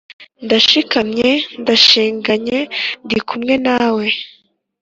ndashikamye ndashinganye ndikumwe nawe